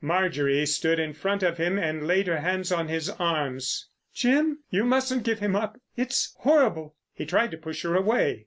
Marjorie stood in front of him and laid her hands on his arms. "Jim—you mustn't give him up. It's horrible." He tried to push her away.